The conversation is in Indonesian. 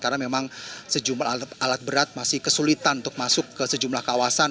karena memang sejumlah alat berat masih kesulitan untuk masuk ke sejumlah kawasan